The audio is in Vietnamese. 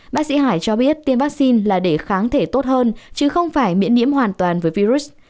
bác sĩ hải cho biết tiêm vaccine là để kháng thể tốt hơn chứ không phải miễn nhiễm hoàn toàn với virus